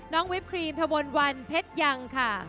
น้องวิปครีมแผ่วมนต์วันเผ็ดยังค่ะ